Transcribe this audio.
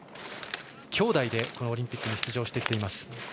きょうだいでオリンピックに出場しています。